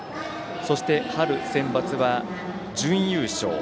そして、春センバツは準優勝。